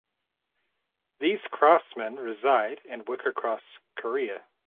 These craftsmen reside and work across Korea.